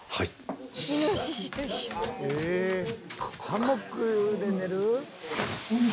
ハンモックで寝る？